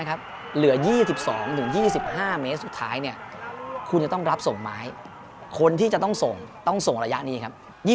ก็ต้องรับส่งไม้คนที่จะต้องส่งต้องส่งระยะนี้ครับ